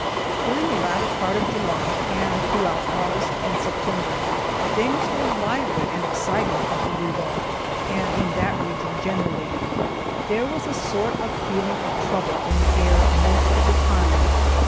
During the latter part of July, and throughout August and September, things were lively and exciting at Bolivar, and in that region generally. There was a sort of feeling of trouble in the air most of the time.